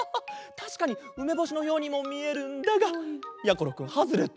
たしかにうめぼしのようにもみえるんだがやころくんハズレットだ。